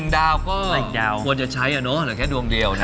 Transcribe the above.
๑ดาวก็ควรจะใช้อ่ะเนาะหรือแค่ดวงเดียวนะฮะ